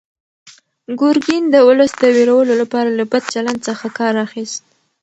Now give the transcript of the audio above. ګورګین د ولس د وېرولو لپاره له بد چلند څخه کار اخیست.